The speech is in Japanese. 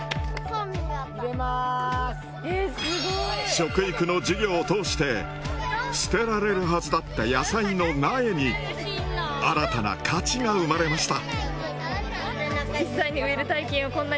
食育の授業を通して捨てられるはずだった野菜の苗に新たな価値が生まれました。